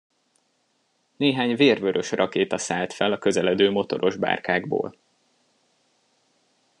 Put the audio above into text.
Néhány vérvörös rakéta szállt fel a közeledő motorosbárkákból.